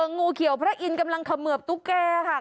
งูเขียวพระอินทร์กำลังเขมือบตุ๊กแก่ค่ะ